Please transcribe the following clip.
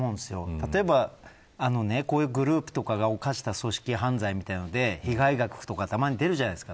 例えばこういうグループとかが犯した組織犯罪みたいなので被害額とか、たまに出るじゃないですか